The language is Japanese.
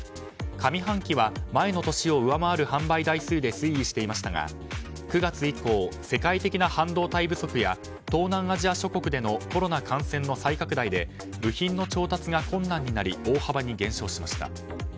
上半期は前の年を上回る販売台数で推移していましたが９月以降、世界的な半導体不足や東南アジア諸国でのコロナ感染の再拡大で部品の調達が困難になり大幅に減少しました。